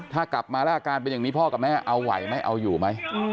ถ้ากลับมาแล้วอาการเป็นอย่างนี้พ่อกับแม่เอาไหวไหมเอาอยู่ไหม